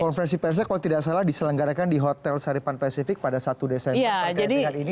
komprensi persnya kalau tidak salah diselenggarakan di hotel saripan pacific pada satu desember